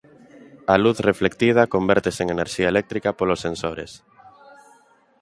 A luz reflectida convértese en enerxía eléctrica polos sensores.